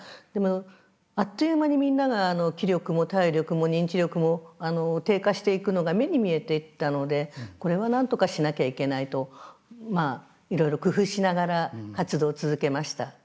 でもあっという間にみんなが気力も体力も認知力も低下していくのが目に見えていったのでこれはなんとかしなきゃいけないとまあいろいろ工夫しながら活動を続けました。